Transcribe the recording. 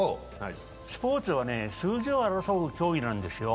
スポーツは数字を争う競技なんですよ。